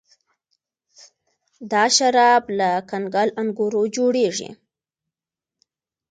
دا شراب له کنګل انګورو جوړیږي.